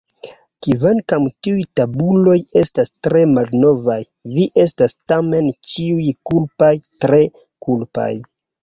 Kvankam tiuj tabuloj estas tre malnovaj, vi estas tamen ĉiuj kulpaj, tre kulpaj.